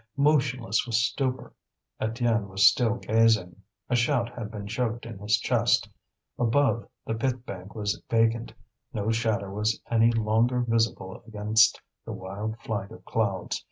Motionless with stupor, Étienne was still gazing. A shout had been choked in his chest. Above, the pit bank was vacant; no shadow was any longer visible against the wild flight of clouds.